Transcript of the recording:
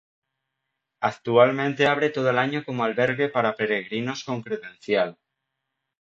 Actualmente abre todo el año como albergue para peregrinos con credencial.